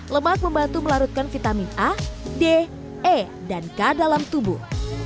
lemak membantu melarutkan vitamin a d e dan k dalam tubuh